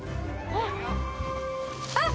あっ！